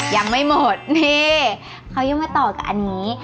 ยังไม่หมดนี่เขายังมาต่อกับอันนี้